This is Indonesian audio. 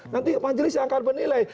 nanti majelis yang akan menilai